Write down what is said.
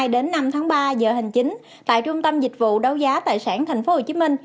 đến năm tháng ba giờ hành chính tại trung tâm dịch vụ đấu giá tài sản tp hcm